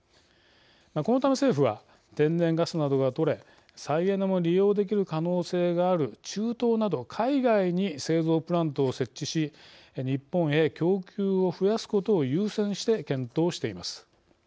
このため政府は天然ガスなどがとれ再エネも利用できる可能性がある中東など海外に製造プラントを設置し日本へ供給を増やすことを優先して検討しています。